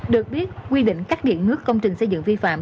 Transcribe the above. được biết quy định cắt điện nước công trình xây dựng vi phạm